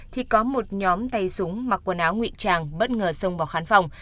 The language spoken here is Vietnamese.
thì có một nhóm tay súng mặc quần áo nguy trang bất ngờ xông vào khán phòng